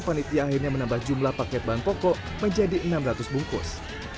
panitia akhirnya menambah jumlah paket bahan pokok menjadi enam ratus bungkus